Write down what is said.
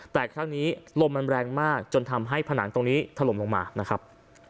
แต่ครั้งนี้ลมมันแรงมากจนทำให้ผนังตรงนี้ถล่มลงมานะครับ